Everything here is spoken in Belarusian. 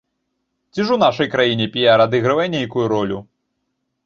Ці ж у нашай краіне піяр адыгрывае нейкую ролю?!